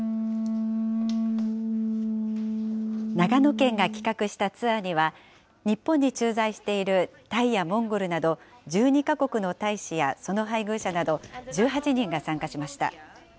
長野県が企画したツアーには、日本に駐在しているタイやモンゴルなど、１２か国の大使やその配偶者など、１８人が参加しました。